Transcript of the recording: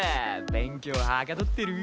勉強はかどってる？